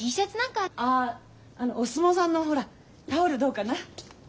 あっあのお相撲さんのほらタオルどうかな？